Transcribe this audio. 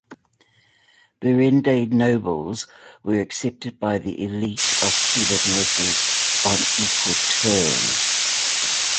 Berendei nobles were accepted by the elite of Kievan Rus' on equal terms.